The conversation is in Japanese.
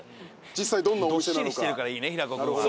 どっしりしてるからいいね平子君は。